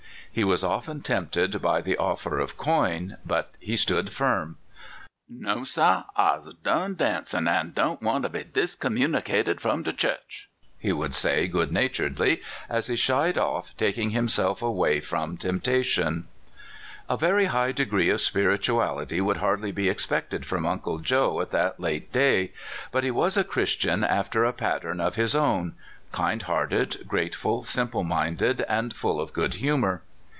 He was often tempted by the offer of coin, but he stood firm. " No, sah ; I 's done dancin', an' do n't want to be discommunicated from de Church," he would say, good naturedly, as he shied off, taking himself away from temptation. 262 CALIFORNIA SKETCHES. A very high degree of spirituality could hardly be expected from Uncle Joe at that late day; but he was a Christian after a pattern of his own kind hearted, grateful, simple minded, and full of good humor.